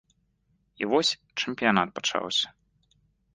І вось чэмпіянат пачаўся.